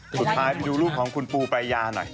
สุดท้ายดูรูปของคุณปูปรายยาหน่อย